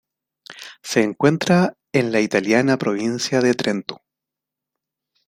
Se encuentra en la italiana provincia de Trento.